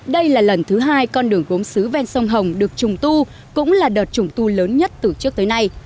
đây là lần thứ hai con đường gốm xứ ven sông hồng được trùng tu cũng là đợt trùng tu lớn nhất từ trước tới nay